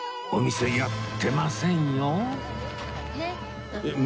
お店やってませんよ